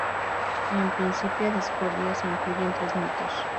En "Principia Discordia" se incluyen tres mitos.